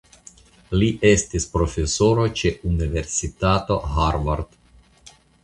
Li estis profesoro ĉe Universitato Harvard.